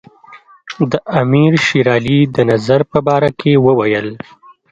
د امیر شېر علي د نظر په باره کې وویل.